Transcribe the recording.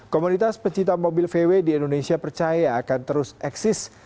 komunitas pencipta mobil vw di indonesia percaya akan terus eksis